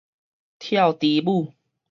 跳豬舞